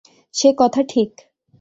সে কথা ঠিক।